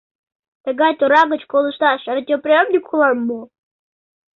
Тыгай тора гыч колышташ радиоприёмник улам мо?